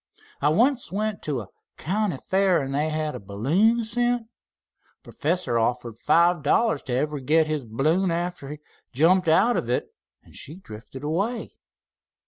I once went t' a county fair, an' they had a balloon assent. Th' perfesser offered five dollars t' whoever'd git his balloon arter he jumped out of it, an' she drifted away."